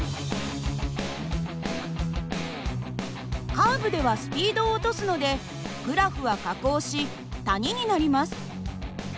カーブではスピードを落とすのでグラフは下降し谷になります。